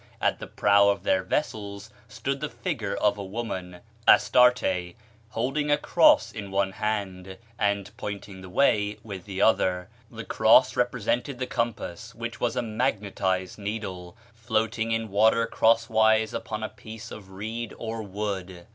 At the prow of their vessels stood the figure of a woman (Astarte) holding a cross in one hand and pointing the way with the other; the cross represented the compass, which was a magnetized needle, floating in water crosswise upon a piece of reed or wood.